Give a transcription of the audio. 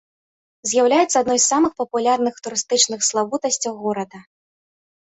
З'яўляецца адной з самых папулярных турыстычных славутасцяў горада.